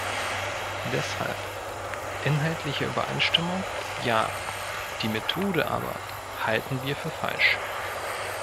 Deshalb: Inhaltliche Übereinstimmung: ja, die Methode aber halten wir für falsch.